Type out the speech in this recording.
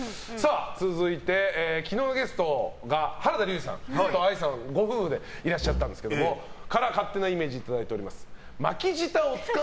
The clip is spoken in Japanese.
続いて、昨日のゲストが原田龍二さんと愛さんご夫婦でいらっしゃったんですけど勝手なイメージをいただいております。